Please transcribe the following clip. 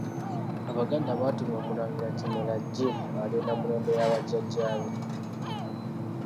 Abaganda baatumya omulangira Kimera ajje alye Nnamulondo ya bajjajjaabe.